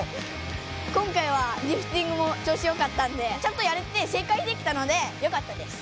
今回はリフティングもちょうしよかったんでちゃんとやれて正解できたのでよかったです。